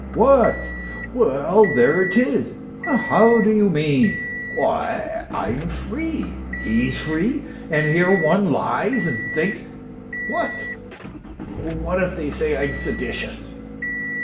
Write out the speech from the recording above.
" What ?"" WeU, there it is." " How do you mean ?"" Why, I am free, he's free, and here one lies and thinks ..."" What 1 "" What if they say I'm seditious